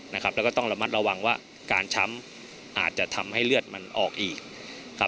แล้วก็ต้องระมัดระวังว่าการช้ำอาจจะทำให้เลือดมันออกอีกครับ